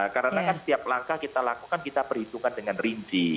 karena kan setiap langkah kita lakukan kita perhitungkan dengan rinci